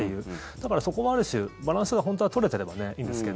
だから、そこはある種バランスが本当は取れてればいいんですが。